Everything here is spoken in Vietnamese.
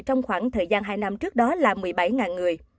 trong khoảng thời gian hai năm trước đó là một mươi bảy người